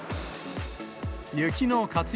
雪の活用